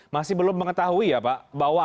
masih belum mengetahui ya pak bahwa